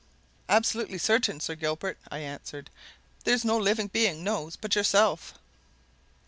"Absolutely certain, Sir Gilbert!" I answered. "There's no living being knows but yourself."